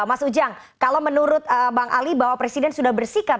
mas ujang kalau menurut bang ali bahwa presiden sudah bersikap